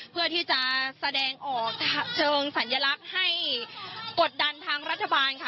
เพื่อที่จะแสดงออกเชิงสัญลักษณ์ให้กดดันทางรัฐบาลค่ะ